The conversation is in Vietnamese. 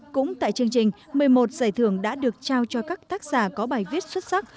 cũng tại chương trình một mươi một giải thưởng đã được trao cho các tác giả có bài viết xuất sắc